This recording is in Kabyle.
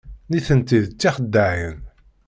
Nitenti d tixeddaɛin.